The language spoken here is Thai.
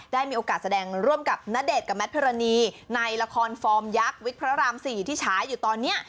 ได้มีโอกาสแสดงร่วมกับณเดชน์กับแมทพิรณีในละครฟอร์มยักษ์วิกพระราม๔ที่ฉายอยู่ตอนนี้